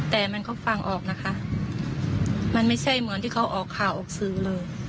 แต่มันก็ฟังออกนะคะมันไม่ใช่เหมือนที่เขาออกข่าวออกสื่อเลย